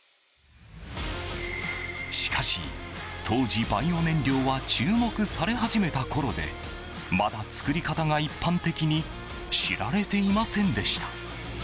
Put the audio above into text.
しかし当時、バイオ燃料は注目され始めたころでまだ、作り方が一般的に知られていませんでした。